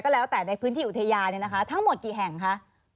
แล้วแต่ในพื้นที่อุทยานเนี่ยนะคะทั้งหมดกี่แห่งคะ